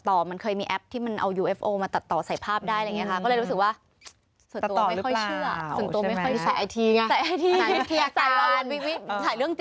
ศัยวิทยาศาสตร์